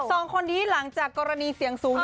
สองคนนี้หลังจากกรณีเสียงสูง